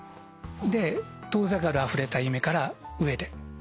「遠ざかる溢れた夢」から上で。